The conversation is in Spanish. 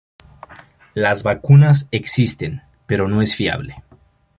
Las vacunas existen pero no es fiable.